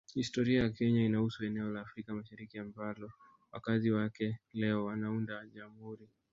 Historia ya Kenya inahusu eneo la Afrika Mashariki ambalo wakazi wake leo wanaunda Jamhuri